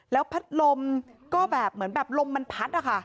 แล้วพัดลมก็แบบเหมือนแบบลมมันพัดนะคะ